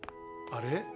あれ？